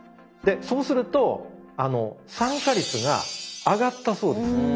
そうすると参加率が上がったそうです。